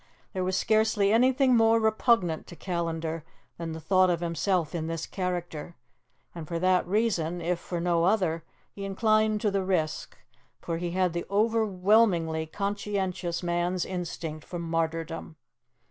There was scarcely anything more repugnant to Callandar than the thought of himself in this character, and for that reason, if for no other, he inclined to the risk; for he had the overwhelmingly conscientious man's instinct for martyrdom.